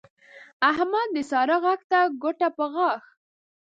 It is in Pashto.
احمد د سارا غږ ته ګوته په غاښ